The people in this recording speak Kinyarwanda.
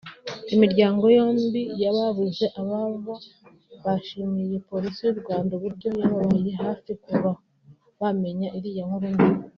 Imiryango yombi y’ababuze ababo yashimiye Polisi y’u Rwanda uburyo yababaye hafi kuva bamenya iriya nkuru mbi